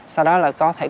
sau đó là có thể cục